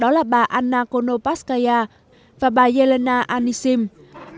đó là bà anna konopaskaya và bà yelena anishina